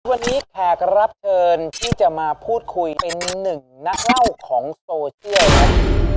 วันนี้แขกรับเชิญที่จะมาพูดคุยเป็นหนึ่งนักเล่าของโซเชียลครับ